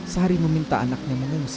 sari meminta anaknya untuk berjalan ke rumahnya